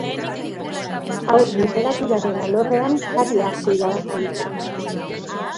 Haur literaturaren alorrean sari asko irabazi ditu.